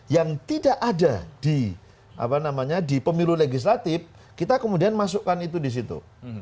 yang tidak ada di pemilu legislatif kita kemudian masukkan itu di situ